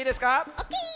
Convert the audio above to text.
オーケー！